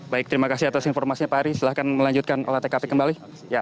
baik terima kasih atas informasinya pak ari silahkan melanjutkan olah tkp kembali